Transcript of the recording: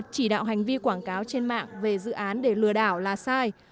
chỉ đạo hành vi quảng cáo trên mạng về dự án để lừa đảo là sai